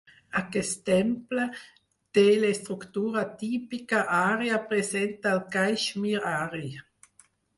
Aquest temple té l'estructura típica ària present al Caixmir ari.